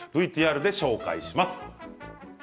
ＶＴＲでご紹介します。